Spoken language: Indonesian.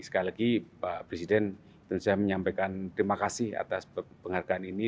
sekali lagi pak presiden tentu saja menyampaikan terima kasih atas penghargaan ini